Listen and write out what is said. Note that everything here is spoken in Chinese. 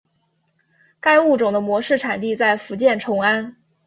该物种的模式产地在福建崇安。